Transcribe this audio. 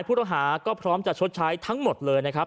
และยืนยันเหมือนกันว่าจะดำเนินคดีอย่างถึงที่สุดนะครับ